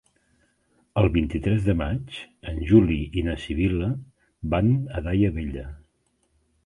El vint-i-tres de maig en Juli i na Sibil·la van a Daia Vella.